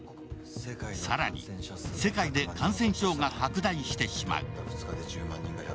更に、世界で感染症が拡大してしまう。